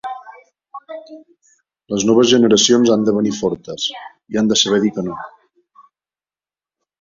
Les noves generacions han de venir fortes, i han de saber dir que no.